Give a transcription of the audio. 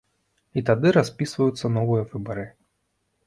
І тады распісываюцца новыя выбары.